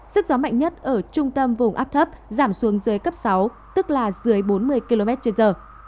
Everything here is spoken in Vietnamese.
sức gió mạnh nhất ở trung tâm vùng áp thấp giảm xuống dưới cấp sáu tức là dưới bốn mươi km trên giờ